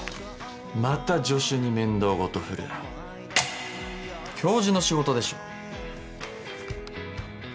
また助手に面倒ごと振る教授の仕事でしょ